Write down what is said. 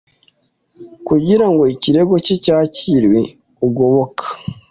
kugira ngo ikirego cye cyakirwe ugoboka